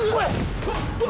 kamu tidak tuhan